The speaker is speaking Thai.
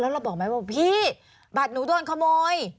แล้วเราบอกไหมว่าพี่บัตรหนูโดนขโมย